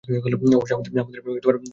অবশ্যই আমাদের ভাষায় যোগাযোগ করছে।